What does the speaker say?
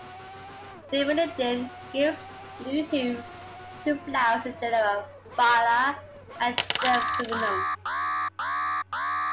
Delphinidin gives blue hues to flowers in the genera "Viola" and "Delphinium".